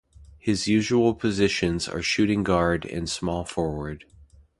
His usual positions are shooting guard and small forward.